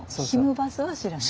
バスは知らない。